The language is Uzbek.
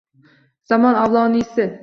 Zamon Avloniysi